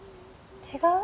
違う？